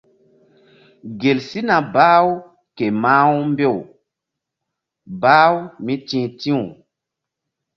Gel sina bah-u ke mah-u mbew bah-u mí ti̧h ti̧w.